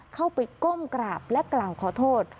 เข้าไปก้มกราบและกล่าวขอโทษ